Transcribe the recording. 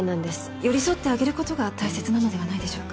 寄り添ってあげる事が大切なのではないでしょうか？